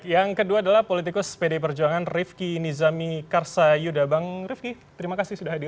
yang kedua adalah politikus pd perjuangan rifki nizami karsayuda bang rifki terima kasih sudah hadir